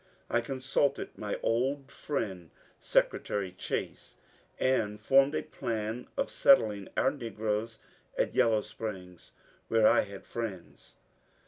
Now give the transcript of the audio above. I consulted my old friend Secretary Chase, and formed a plan of settling our negroes at Yellow Springs, where I had friends.